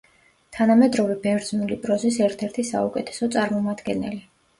თანამედროვე ბერძნული პროზის ერთ-ერთი საუკეთესო წარმომადგენელი.